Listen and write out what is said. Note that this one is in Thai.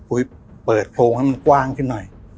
คนเปิดโครงนั้นกว้างขึ้นหน่อย